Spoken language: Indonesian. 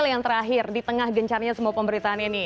yang terakhir di tengah gencarnya semua pemberitaan ini